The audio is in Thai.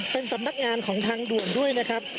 เป็นสำนักงานของทางด่วนด้วยนะครับ